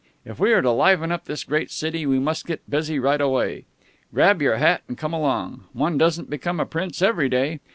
If we are to liven up this great city, we must get busy right away. Grab your hat, and come along. One doesn't become a prince every day.